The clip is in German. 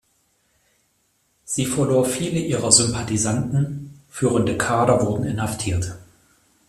Sie verlor viele ihrer Sympathisanten, führende Kader wurden inhaftiert.